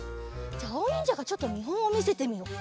じゃあおにんじゃがちょっとみほんをみせてみよう。